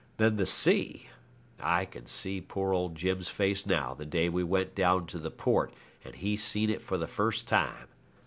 Then the sea! I can see poor old Jim's face now the day we went down to the port and he seen it for the first time.